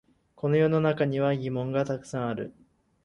この世の中には疑問がたくさんある